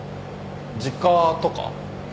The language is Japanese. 「実家」とか？